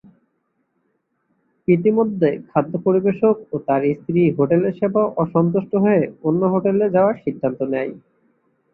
ইতোমধ্যে খাদ্য পরিবেশক ও তার স্ত্রী হোটেলের সেবা অসন্তুষ্ট হয়ে অন্য হোটেলে যাওয়ার সিদ্ধান্ত নেয়।